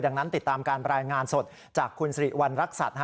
ดังนั้นติดตามการรายงานสดจากคุณสิริวัณรักษัตริย์